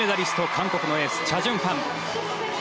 韓国のエースチャ・ジュンファン。